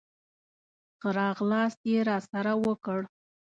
ښه راغلاست یې راسره وکړ.